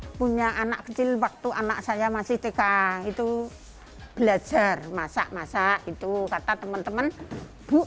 hai punya anak kecil waktu anak saya masih teka itu belajar masak masak itu kata temen temen buk